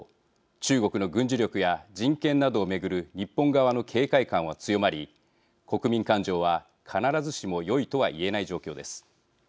中国の軍事力や人権などを巡る日本側の警戒感は強まり国民感情は必ずしもよいとは言えない状況です。